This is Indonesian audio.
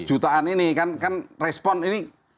jutaan ini kan respon ini